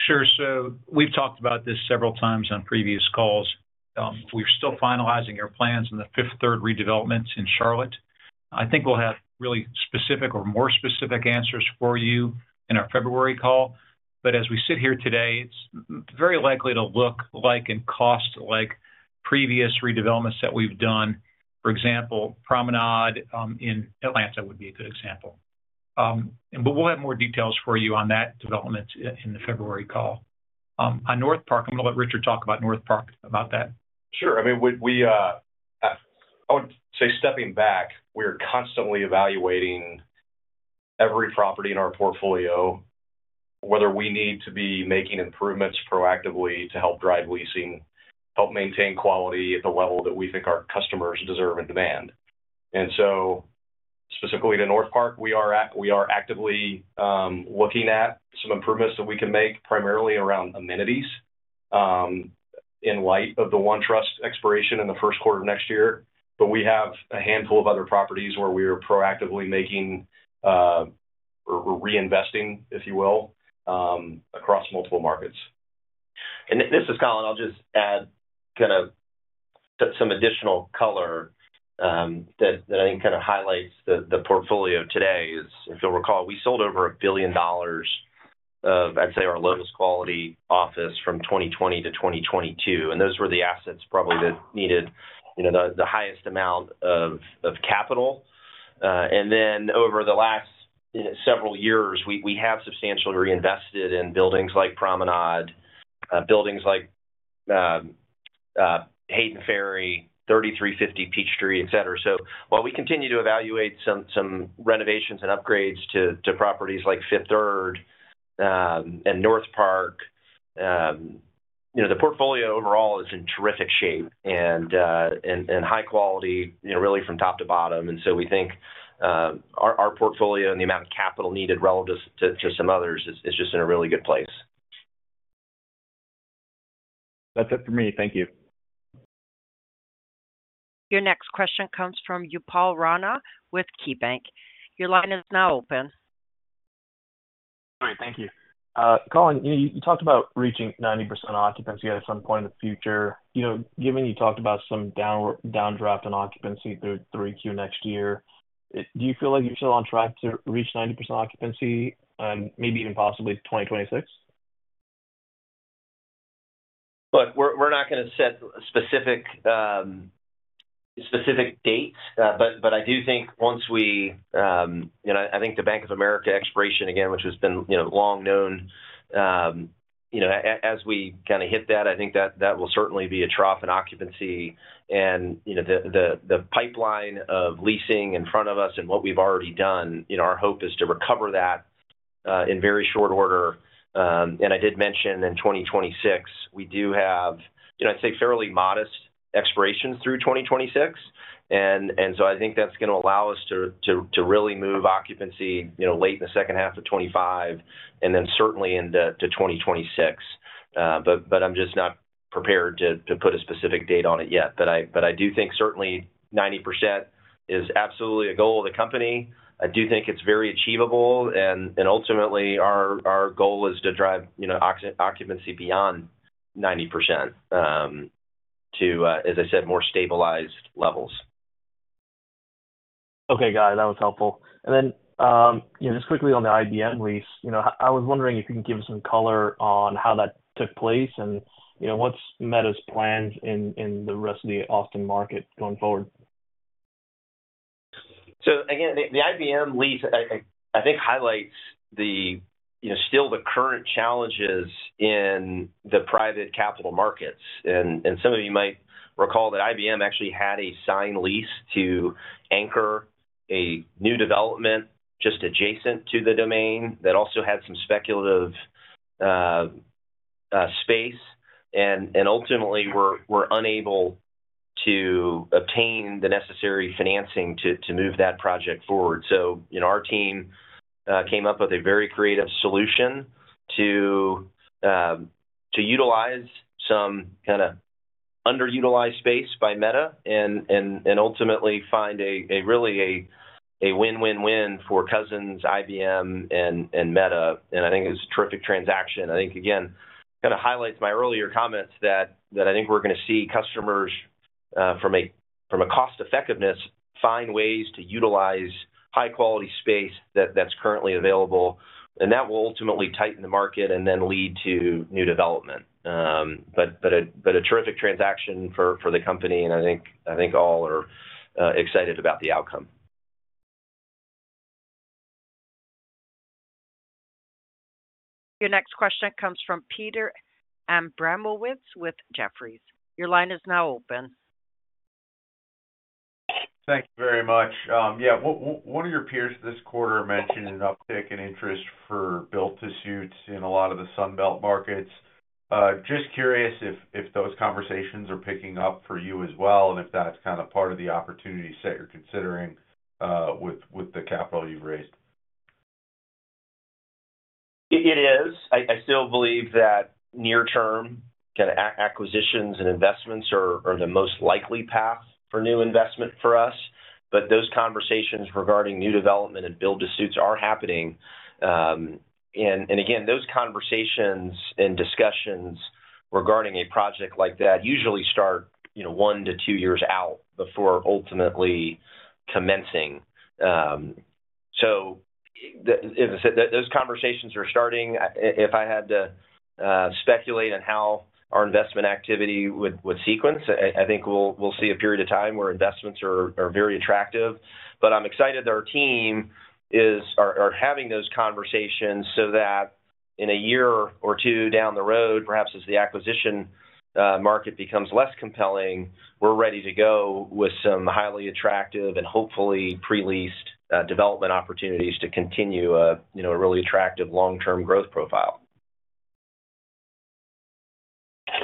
[SPEAKER 6] Sure. So we've talked about this several times on previous calls. We're still finalizing our plans in the Fifth Third redevelopments in Charlotte.... I think we'll have really specific or more specific answers for you in our February call. But as we sit here today, it's very likely to look like and cost like previous redevelopments that we've done. For example, Promenade in Atlanta would be a good example. But we'll have more details for you on that development in the February call. On NorthPark, I'm gonna let Richard talk about NorthPark, about that.
[SPEAKER 4] Sure. I mean, I would say stepping back, we are constantly evaluating every property in our portfolio, whether we need to be making improvements proactively to help drive leasing, help maintain quality at the level that we think our customers deserve and demand, and so specifically to NorthPark, we are actively looking at some improvements that we can make, primarily around amenities, in light of the OneTrust expiration in the first quarter of next year, but we have a handful of other properties where we are proactively making or reinvesting, if you will, across multiple markets.
[SPEAKER 3] This is Colin. I'll just add kind of some additional color that I think kind of highlights the portfolio today. If you'll recall, we sold over $1 billion of, I'd say, our lowest quality office from 2020-2022, and those were the assets probably that needed you know the highest amount of capital, and then over the last several years, we have substantially reinvested in buildings like Promenade, buildings like Hayden Ferry, 3350 Peachtree, et cetera, so while we continue to evaluate some renovations and upgrades to properties like Fifth Third and NorthPark, you know the portfolio overall is in terrific shape and high quality, you know really from top to bottom. We think our portfolio and the amount of capital needed relative to some others is just in a really good place.
[SPEAKER 11] That's it for me. Thank you.
[SPEAKER 1] Your next question comes from Upal Rana with KeyBanc. Your line is now open.
[SPEAKER 12] Great. Thank you. Colin, you know, you talked about reaching 90% occupancy at some point in the future. You know, given you talked about some downdraft in occupancy through 3Q next year, do you feel like you're still on track to reach 90% occupancy and maybe even possibly twenty twenty-six?
[SPEAKER 3] Look, we're not gonna set specific dates, but I do think once we, you know, I think the Bank of America expiration, again, which has been, you know, long known, as we kind of hit that, I think that will certainly be a trough in occupancy. And, you know, the pipeline of leasing in front of us and what we've already done, you know, our hope is to recover that in very short order. And I did mention in 2026, we do have, you know, I'd say fairly modest expirations through 2026. And so I think that's gonna allow us to really move occupancy, you know, late in the second half of 2025, and then certainly into 2026. I'm just not prepared to put a specific date on it yet. I do think certainly 90% is absolutely a goal of the company. I do think it's very achievable, and ultimately, our goal is to drive, you know, occupancy beyond 90% to, as I said, more stabilized levels.
[SPEAKER 12] Okay, got it. That was helpful. And then, you know, just quickly on the IBM lease. You know, I was wondering if you can give some color on how that took place and, you know, what's Meta's plans in the rest of the Austin market going forward?
[SPEAKER 3] So again, the IBM lease I think highlights you know still the current challenges in the private capital markets. And some of you might recall that IBM actually had a signed lease to anchor a new development just adjacent to The Domain that also had some speculative space, and ultimately were unable to obtain the necessary financing to move that project forward. So you know our team came up with a very creative solution to utilize some kind of underutilized space by Meta and ultimately find a really win-win-win for Cousins, IBM, and Meta, and I think it's a terrific transaction. I think, again, kind of highlights my earlier comments that I think we're gonna see customers from a cost effectiveness find ways to utilize high-quality space that's currently available, and that will ultimately tighten the market and then lead to new development, but a terrific transaction for the company, and I think all are excited about the outcome.
[SPEAKER 1] Your next question comes from Peter M. Abramowitz with Jefferies. Your line is now open.
[SPEAKER 13] Thank you very much. Yeah, one of your peers this quarter mentioned an uptick in interest for build-to-suits in a lot of the Sun Belt markets. Just curious if those conversations are picking up for you as well, and if that's kind of part of the opportunities that you're considering with the capital you've raised.
[SPEAKER 3] It is. I still believe that near term, kind of, acquisitions and investments are the most likely path for new investment for us. But those conversations regarding new development and build-to-suits are happening. And again, those conversations and discussions regarding a project like that usually start, you know, one to two years out before ultimately commencing. So as I said, those conversations are starting. If I had to speculate on how our investment activity would sequence, I think we'll see a period of time where investments are very attractive. But I'm excited that our team is having those conversations so that in a year or two down the road, perhaps as the acquisition market becomes less compelling, we're ready to go with some highly attractive and hopefully pre-leased development opportunities to continue a, you know, a really attractive long-term growth profile.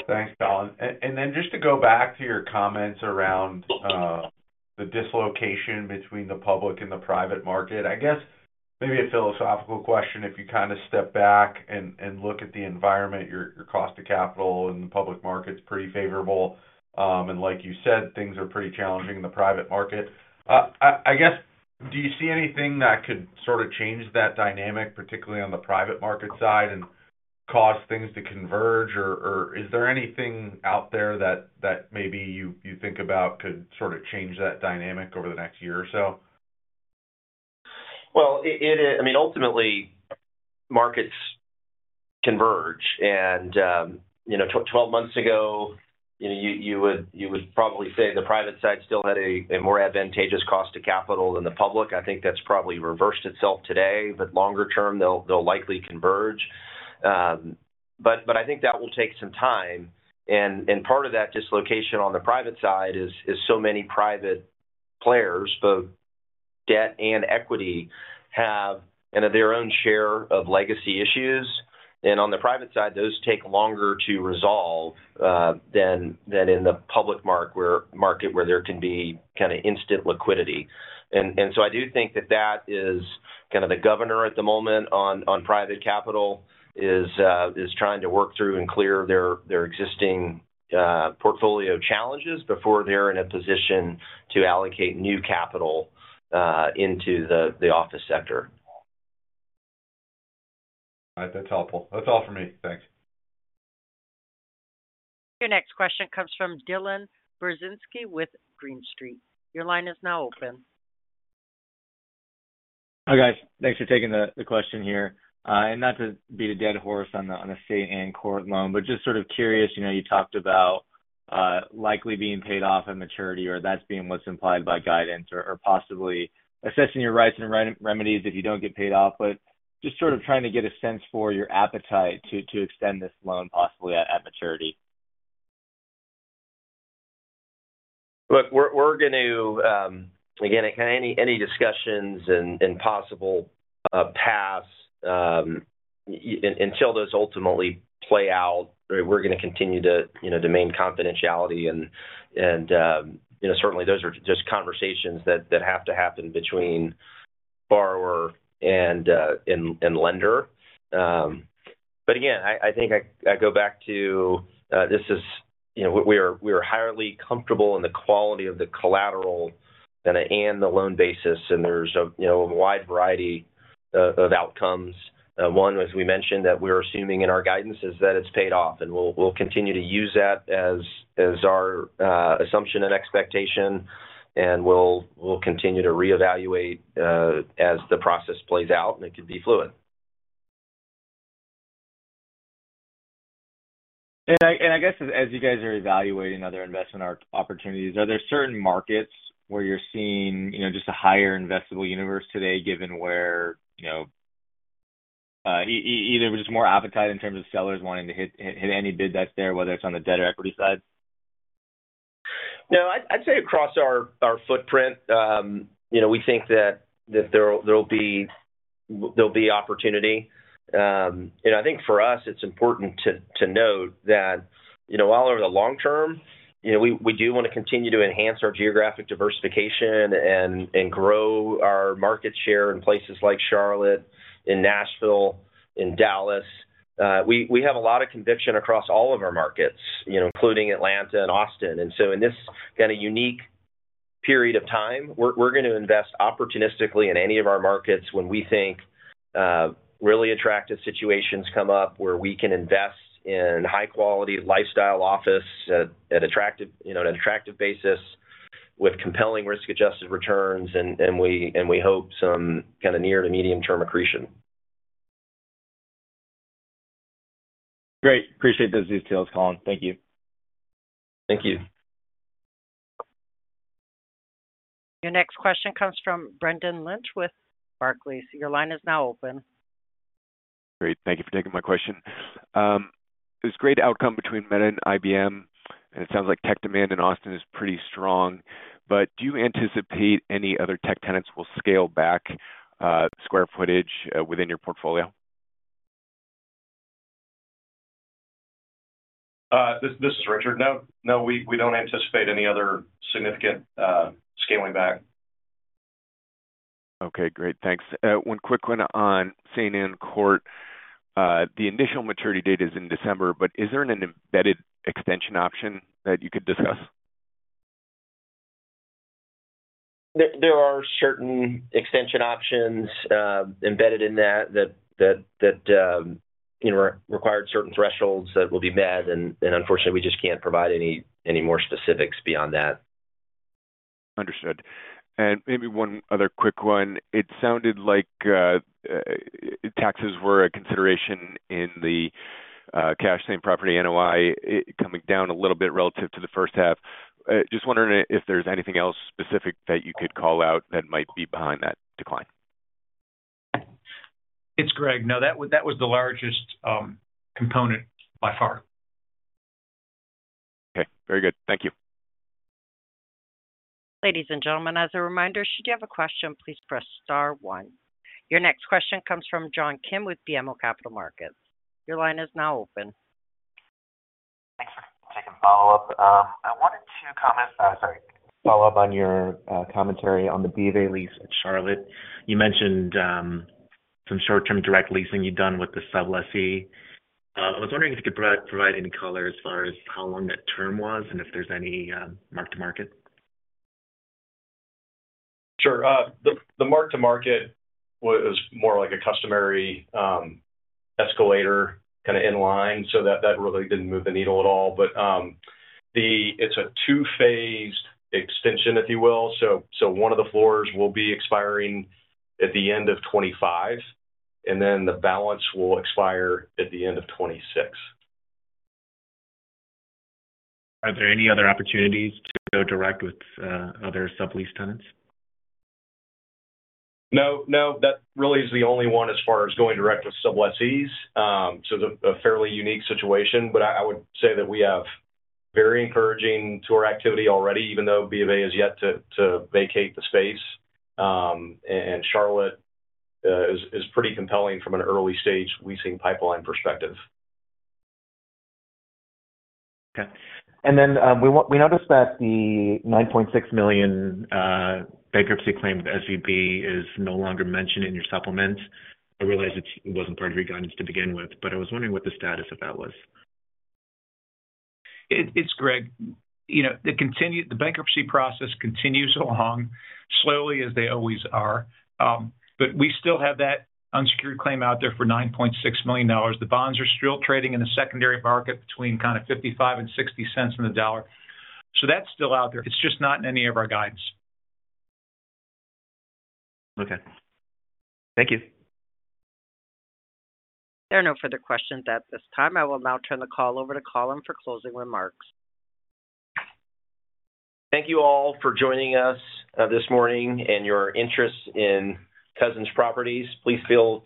[SPEAKER 13] Thanks, Colin. And then just to go back to your comments around the dislocation between the public and the private market. I guess, maybe a philosophical question, if you kind of step back and look at the environment, your cost of capital in the public market's pretty favorable. And like you said, things are pretty challenging in the private market. I guess, do you see anything that could sort of change that dynamic, particularly on the private market side, and cause things to converge? Or is there anything out there that maybe you think about could sort of change that dynamic over the next year or so?
[SPEAKER 3] I mean, ultimately, markets converge. And you know, twelve months ago, you would probably say the private side still had a more advantageous cost of capital than the public. I think that's probably reversed itself today, but longer term, they'll likely converge. But I think that will take some time, and part of that dislocation on the private side is so many private players, both debt and equity, have you know their own share of legacy issues. And on the private side, those take longer to resolve than in the public market, where there can be kind of instant liquidity. So I do think that is kind of the governor at the moment on private capital is trying to work through and clear their existing portfolio challenges before they're in a position to allocate new capital into the office sector.
[SPEAKER 13] All right. That's helpful. That's all for me. Thanks.
[SPEAKER 1] Your next question comes from Dylan Burzinski with Green Street. Your line is now open.
[SPEAKER 14] Hi, guys. Thanks for taking the question here. And not to beat a dead horse on the Saint Ann Court loan, but just sort of curious, you know, you talked about likely being paid off at maturity, or that's being what's implied by guidance or possibly assessing your rights and remedies if you don't get paid off. But just sort of trying to get a sense for your appetite to extend this loan, possibly at maturity.
[SPEAKER 3] Look, we're going to. Again, kind of any discussions and possible paths until those ultimately play out, we're gonna continue to, you know, demand confidentiality, and, you know, certainly those are just conversations that have to happen between borrower and lender. But again, I think I go back to, this is, you know, we are highly comfortable in the quality of the collateral and the loan basis, and there's, you know, a wide variety of outcomes. One, as we mentioned, that we're assuming in our guidance, is that it's paid off, and we'll continue to use that as our assumption and expectation, and we'll continue to reevaluate as the process plays out, and it could be fluid.
[SPEAKER 14] I guess as you guys are evaluating other investment opportunities, are there certain markets where you're seeing, you know, just a higher investable universe today, given where, you know, either just more appetite in terms of sellers wanting to hit any bid that's there, whether it's on the debt or equity side?
[SPEAKER 3] No, I'd say across our footprint, you know, we think that there will be opportunity. And I think for us, it's important to note that, you know, while over the long term, you know, we do want to continue to enhance our geographic diversification and grow our market share in places like Charlotte, in Nashville, in Dallas, we have a lot of conviction across all of our markets, you know, including Atlanta and Austin. And so in this kind of unique period of time, we're gonna invest opportunistically in any of our markets when we think really attractive situations come up where we can invest in high-quality lifestyle office at attractive, you know, at an attractive basis with compelling risk-adjusted returns, and we hope some kind of near to medium-term accretion.
[SPEAKER 14] Great. Appreciate those details, Colin. Thank you.
[SPEAKER 3] Thank you.
[SPEAKER 1] Your next question comes from Brendan Lynch with Barclays. Your line is now open.
[SPEAKER 15] Great. Thank you for taking my question. There's great outcome between Meta and IBM, and it sounds like tech demand in Austin is pretty strong. But do you anticipate any other tech tenants will scale back square footage within your portfolio?
[SPEAKER 4] This is Richard. No, we don't anticipate any other significant scaling back.
[SPEAKER 15] Okay, great. Thanks. One quick one on Saint Ann Court. The initial maturity date is in December, but is there an embedded extension option that you could discuss?...
[SPEAKER 3] There are certain extension options embedded in that that you know require certain thresholds that will be met, and unfortunately, we just can't provide any more specifics beyond that.
[SPEAKER 15] Understood, and maybe one other quick one. It sounded like taxes were a consideration in the cash same-property NOI coming down a little bit relative to the first half. Just wondering if there's anything else specific that you could call out that might be behind that decline?
[SPEAKER 6] It's Gregg. No, that was, that was the largest component by far.
[SPEAKER 15] Okay, very good. Thank you.
[SPEAKER 1] Ladies and gentlemen, as a reminder, should you have a question, please press star one. Your next question comes from John Kim with BMO Capital Markets. Your line is now open.
[SPEAKER 10] Thanks for taking the follow-up. I wanted to comment, sorry, follow up on your commentary on the B of A lease at Charlotte. You mentioned some short-term direct leasing you've done with the sublessee. I was wondering if you could provide any color as far as how long that term was and if there's any mark-to-market.
[SPEAKER 3] Sure. The mark-to-market was more like a customary escalator kind of in line, so that really didn't move the needle at all. But it's a two-phased extension, if you will. So one of the floors will be expiring at the end of 2025, and then the balance will expire at the end of 2026.
[SPEAKER 10] Are there any other opportunities to go direct with, other sublease tenants?
[SPEAKER 3] No, no. That really is the only one as far as going direct with sublessees. So, a fairly unique situation, but I would say that we have very encouraging tour activity already, even though B of A is yet to vacate the space, and Charlotte is pretty compelling from an early stage leasing pipeline perspective.
[SPEAKER 10] Okay. And then, we noticed that the $9.6 million bankruptcy claim, SVB, is no longer mentioned in your supplement. I realize it's; it wasn't part of your guidance to begin with, but I was wondering what the status of that was.
[SPEAKER 6] It's Gregg. You know, it continued. The bankruptcy process continues along, slowly as they always are. But we still have that unsecured claim out there for $9.6 million. The bonds are still trading in the secondary market between kind of 55-60 cents on the dollar. So that's still out there. It's just not in any of our guidance.
[SPEAKER 10] Okay. Thank you.
[SPEAKER 1] There are no further questions at this time. I will now turn the call over to Colin for closing remarks.
[SPEAKER 3] Thank you all for joining us this morning and your interest in Cousins Properties. Please feel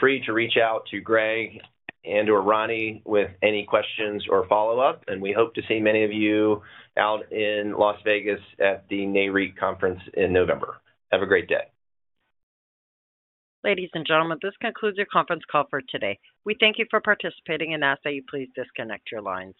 [SPEAKER 3] free to reach out to Gregg and/or Roni with any questions or follow-up, and we hope to see many of you out in Las Vegas at the NAREIT conference in November. Have a great day.
[SPEAKER 1] Ladies and gentlemen, this concludes your conference call for today. We thank you for participating and ask that you please disconnect your lines.